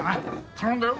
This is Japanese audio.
頼んだよ！